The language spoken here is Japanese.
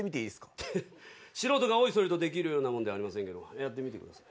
フッ素人がおいそれとできるようなもんではありませんけどもやってみて下さい。